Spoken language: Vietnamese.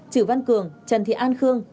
trữ văn cường trần thị an khương